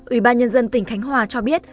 ủy ban nhân dân tỉnh khánh hòa cho biết